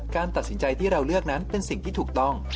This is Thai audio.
การตัดสินใจที่เราเลือกนั้นเป็นสิ่งที่ถูกต้อง